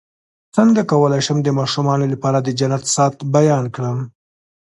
څنګه کولی شم د ماشومانو لپاره د جنت ساعت بیان کړم